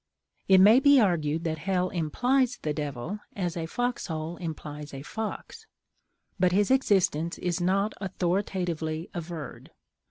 It may be argued that hell implies the Devil, as a fox hole implies a fox; but his existence is not authoritatively averred.